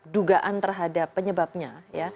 dugaan terhadap penyebabnya